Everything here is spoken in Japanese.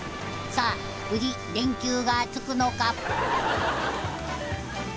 さあ無事電球がつくのか？